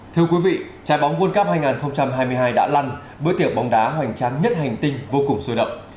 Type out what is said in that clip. thưa quý vị trái bóng world cup hai nghìn hai mươi hai đã lăn bữa tiệc bóng đá hoành tráng nhất hành tinh vô cùng sôi động